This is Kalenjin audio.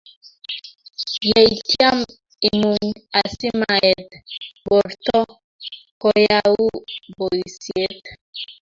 ye itam imuny asimaet borto koyau boisiet